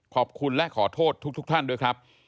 ขอบคุณและขอโทษทุกท่านด้วยครับ